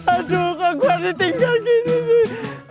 aduh kok gue ditinggal gini sih